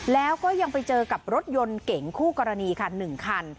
แล้วก็ยังไปเจอกับรถยนต์เก่งคู่กรณีค่ะ๑คัน